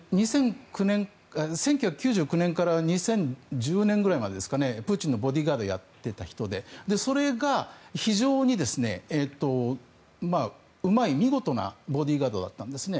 １９９９年から２０１０年ぐらいまでプーチンのボディーガードをやっていた人でそれが非常にうまい、見事なボディーガードだったんですね。